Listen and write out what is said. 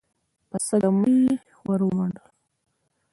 په سږمه يې ور ومنډل.